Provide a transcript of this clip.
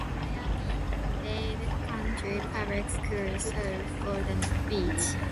Miami-Dade County Public Schools serves Golden Beach.